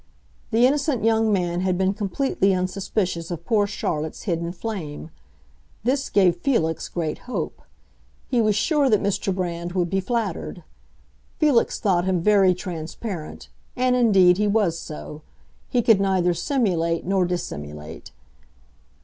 The innocent young man had been completely unsuspicious of poor Charlotte's hidden flame. This gave Felix great hope; he was sure that Mr. Brand would be flattered. Felix thought him very transparent, and indeed he was so; he could neither simulate nor dissimulate.